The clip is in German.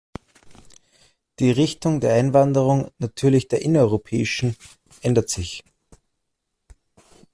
Die Richtung der Einwanderung, natürlich der innereuropäischen, ändert sich.